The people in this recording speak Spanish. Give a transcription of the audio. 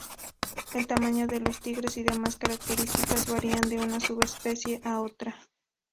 El tamaño de los tigres y demás características varían de una subespecie a otra.